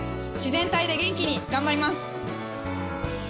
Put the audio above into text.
自然体で元気に頑張ります。